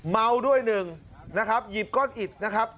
เมาด้วยหนึ่งนะครับหยิบก้อนอิดนะครับ